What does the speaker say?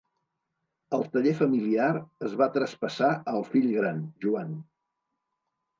El taller familiar es va traspassar al fill gran, Joan.